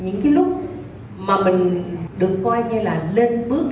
những cái lúc mà mình được coi như là lên bước